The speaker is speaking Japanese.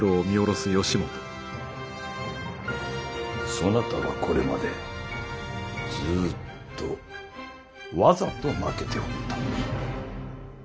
そなたはこれまでずっとわざと負けておった。